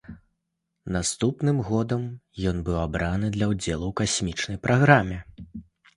Наступным годам ён быў абраны для ўдзелу ў касмічнай праграме.